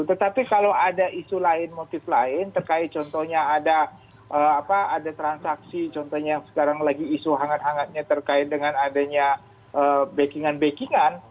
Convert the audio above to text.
tetapi kalau ada isu lain motif lain terkait contohnya ada transaksi contohnya yang sekarang lagi isu hangat hangatnya terkait dengan adanya backing an backing an